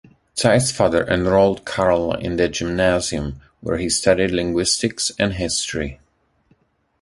Zeiss father enrolled Carl in the Gymnasium, where he studied linguistics and history.